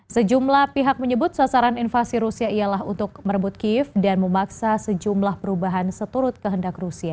sejumlah pihak menyebut sasaran invasi rusia ialah untuk merebut kiev dan memaksa sejumlah perubahan seturut kehendak rusia